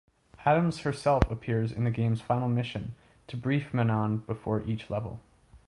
Adams herself appears in the game's final mission to brief Manon before each level.